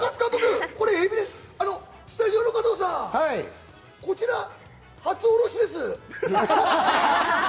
高津監督はエビ、スタジオの加藤さん、こちら初おろしです。